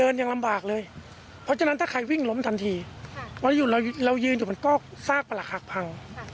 น้องคุกลงใจที่ตอนนั้น